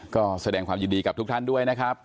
ก็แสดงความยินดีกับทุกท่านด้วยนะครับ